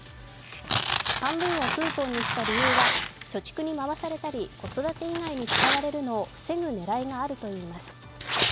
半分をクーポンにした理由は貯蓄に回されたり子育て以外に使われるのを防ぐ狙いがあるといいます。